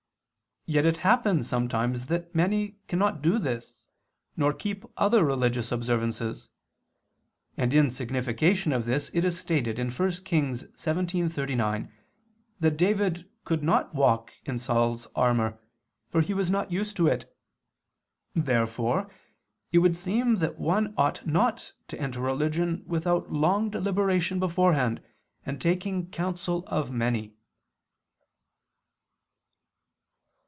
Yet it happens sometimes that many cannot do this, nor keep other religious observances; and in signification of this it is stated (1 Kings 17:39) that David could not walk in Saul's armor, for he was not used to it. Therefore it would seem that one ought not to enter religion without long deliberation beforehand and taking counsel of many.